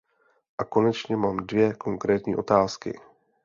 A konečně mám dvě konkrétní otázky.